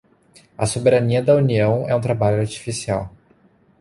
A soberania da União é um trabalho artificial.